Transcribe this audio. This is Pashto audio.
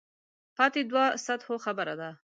پاتې دوو سطحو خبره ده.